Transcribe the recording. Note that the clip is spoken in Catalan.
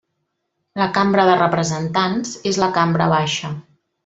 La Cambra de Representants és la cambra baixa.